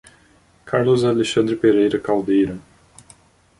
Carlos Alexandre Pereira Caldeira